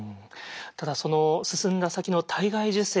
ただその進んだ先の体外受精